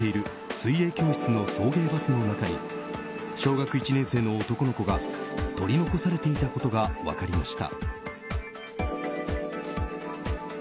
今週月曜日川崎で行っている水泳教室の送迎バスの中に小学１年生の男の子が取り残されていたことが分かりました。